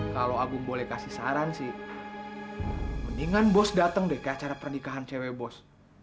kalau agung boleh kasih saran sih mendingan bos datang deh ke acara pernikahan cewek bos